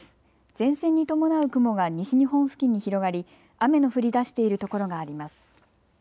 前線に伴う雲が西日本付近に広がり雨の降りだしている所があります。